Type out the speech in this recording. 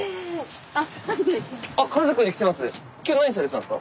あっ家族で来てます？